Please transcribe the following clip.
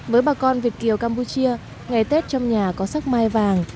với bà con việt kiều campuchia ngày tết trong nhà có sắc mai vàng